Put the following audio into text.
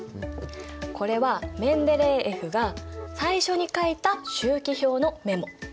これはメンデレーエフが最初に書いた周期表のメモ。